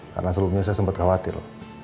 karena sebelumnya saya sempet khawatir